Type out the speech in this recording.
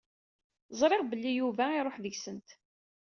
Ẓriɣ belli Yuba iruḥ deg-sent.